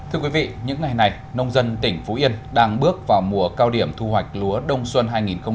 thưa quý vị những ngày này nông dân tỉnh phú yên đang bước vào mùa cao điểm thu hoạch lúa đông xuân hai nghìn hai mươi ba hai nghìn bốn